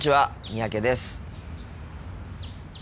三宅です。